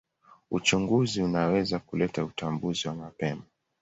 Uchunguzi unaweza kuleta utambuzi wa mapema.